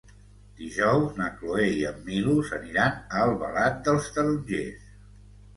Dijous na Cloè i en Milos aniran a Albalat dels Tarongers.